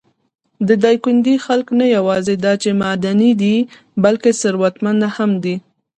د دايکندي خلک نه یواځې دا چې معدني دي، بلکې ثروتمنده هم دي.